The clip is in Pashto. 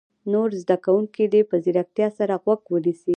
نور زده کوونکي دې په ځیرتیا سره غوږ ونیسي.